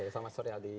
selamat sore adi